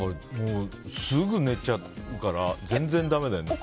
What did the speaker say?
すぐ寝ちゃうから全然だめだね。